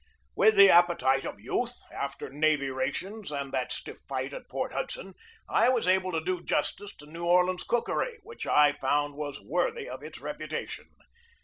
With the appetite of youth, after navy rations and that stiff fight at Port Hudson, I was able to do justice to New Orleans cookery, which I found was worthy of its reputation.